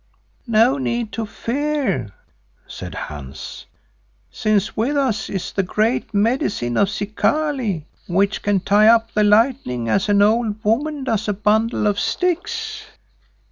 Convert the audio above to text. "No need to fear," said Hans, "since with us is the Great Medicine of Zikali which can tie up the lightning as an old woman does a bundle of sticks."